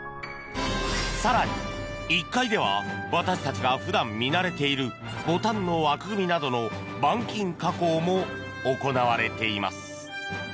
更に、１階では私たちが普段見慣れているボタンの枠組みなどの板金加工も行われています。